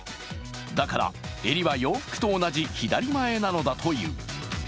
だから、襟は洋服と同じ左前なのだという。